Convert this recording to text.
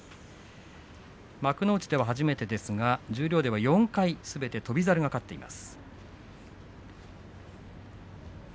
幕内では初めてですが十両では４回対戦をして翔猿がすべて勝っています。